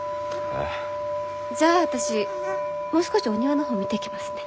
じゃあ私もう少しお庭の方見ていきますね。